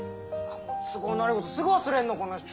都合の悪いことすぐ忘れるのこの人。